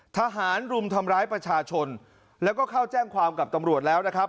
ทหารรุมทำร้ายประชาชนแล้วก็เข้าแจ้งความกับตำรวจแล้วนะครับ